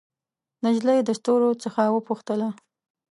نجلۍ د ستورو څخه وپوښتله